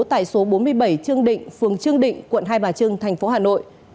tại số bốn mươi bảy trương định phường trương định tp hà nội